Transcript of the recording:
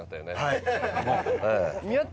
はい。